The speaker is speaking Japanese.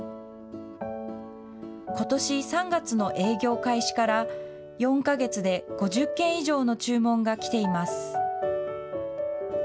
ことし３月の営業開始から、４か月で５０件以上の注文が来ています。